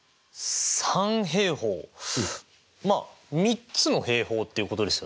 三平方まあ３つの平方っていうことですよね。